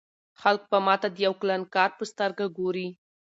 خلک به ما ته د یو کلانکار په سترګه ګوري.